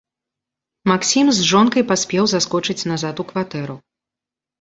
Максім з жонкай паспеў заскочыць назад у кватэру.